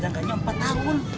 jangkanya empat tahun